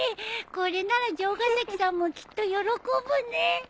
これなら城ヶ崎さんもきっと喜ぶね。